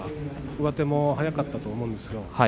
上手も速かったと思うんです。